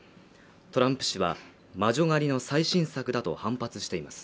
トランプ氏は魔女狩りの最新作だと反発しています